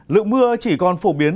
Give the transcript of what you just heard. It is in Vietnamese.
lượng mưa chỉ còn phổ biến